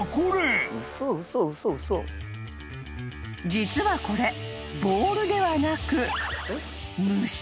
［実はこれボールではなく］